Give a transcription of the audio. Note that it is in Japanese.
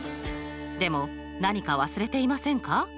でも何か忘れていませんか？